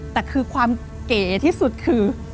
แต่คือความเก๋ที่สุดคือ